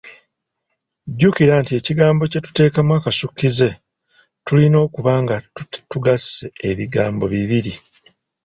Jjukira nti ekigambo kye tuteekamu akasukkize, tulina okuba nga tugasse ebigambo bibiri.